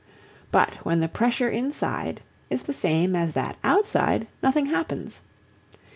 But when the pressure inside is the same as that outside nothing happens.